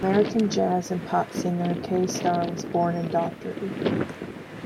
American jazz and pop singer Kay Starr was born in Dougherty.